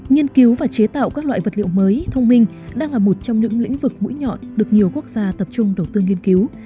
nghiên cứu và chế tạo các loại vật liệu mới thông minh đang là một trong những lĩnh vực mũi nhọn được nhiều quốc gia tập trung đầu tư nghiên cứu